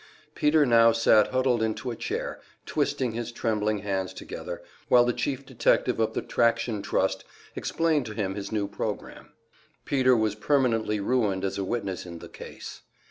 Peter now sat huddled into a chair, twisting his trembling hands together, while the chief detective of the Traction Trust explained to him his new program. Peter was permanently ruined as a witness in the case.